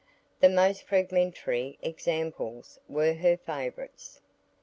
The most fragmentary examples were her favourites.